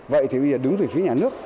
vậy thì bây giờ đứng từ phía nhà nước